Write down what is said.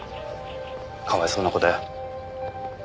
かわいそうな子だよ。